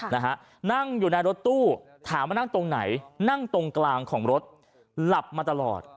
นะฮะนั่งอยู่ในรถตู้ถามว่านั่งตรงไหนนั่งตรงกลางของรถหลับมาตลอด